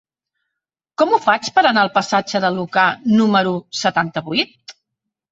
Com ho faig per anar al passatge de Lucà número setanta-vuit?